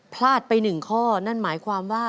พลาดไปหนึ่งข้อนั่นหมายความว่า